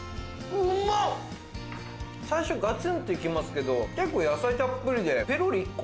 最初ガツンといきますけど結構野菜たっぷりでペロリ１個。